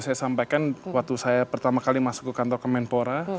saya sampaikan waktu saya pertama kali masuk ke kantor kemenpora